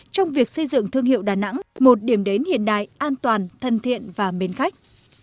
trong việc xây dựng thương hiệu đà nẵng một điểm đến hiện đại an toàn thân thiện và mến khách